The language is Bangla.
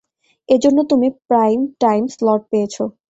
এজন্য তুমি প্রাইম টাইম স্লট পেয়েছো।